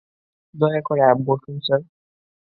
দয়া করে বসুন, স্যার।